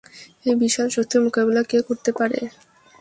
এই বিশাল শক্তির মোকাবিলা কে করতে পারে?